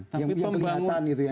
tapi bisa dikira itu hal yang lain